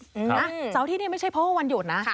เสาร์อาทิตย์นี่ไม่ใช่เพราะวันหยุดนะ